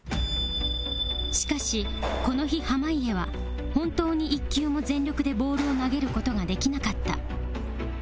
しかしこの日濱家は本当に１球も全力でボールを投げる事ができなかった